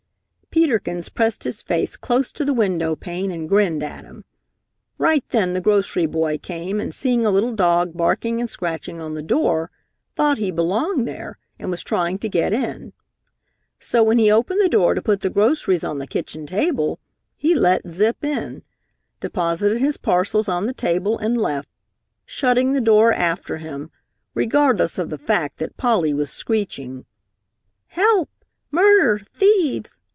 Peter Kins pressed his face close to the window pane and grinned at him. Right then the grocery boy came and seeing a little dog barking and scratching on the door, thought he belonged there and was trying to get in. So when he opened the door to put the groceries on the kitchen table, he let Zip in, deposited his parcels on the table and left, shutting the door after him, regardless of the fact that Polly was screeching, "Help! Murder! Thieves!